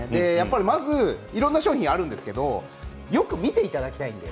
まず、いろんな商品があるんですけどよく見ていただきたいんです。